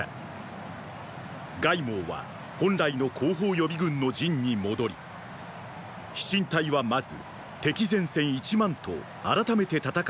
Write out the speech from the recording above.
凱孟は本来の後方予備軍の陣に戻り飛信隊はまず敵前線一万と改めて戦うことになる。